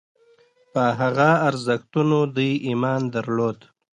په هغه ارزښتونو دوی ایمان درلود.